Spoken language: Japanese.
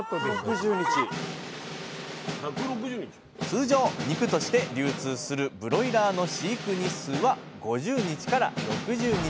通常肉として流通するブロイラーの飼育日数は５０６０日程度。